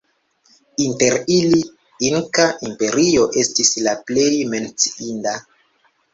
Inter ili Inkaa Imperio estis la plej menciinda.